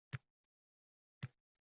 Jajji mushti